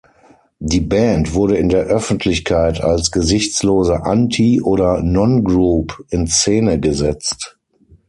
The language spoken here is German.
Die Band wurde in der Öffentlichkeit als gesichtslose Anti- oder Non-Group in Szene gesetzt.